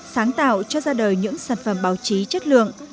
sáng tạo cho ra đời những sản phẩm báo chí chất lượng